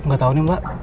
gak tau nih mbak